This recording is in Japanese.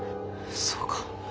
そうか。